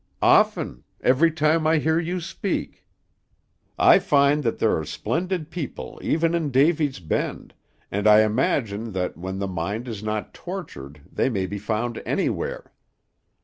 "Often; every time I hear you speak." "I find that there are splendid people even in Davy's Bend, and I imagine that when the mind is not tortured they may be found anywhere.